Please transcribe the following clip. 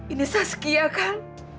ini saskia kan